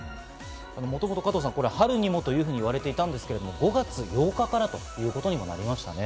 もともと加藤さん、春にもと言われていたんですが、５月８日からということになりましたね。